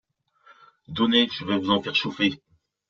Donnez, je vais vous en faire chauffer.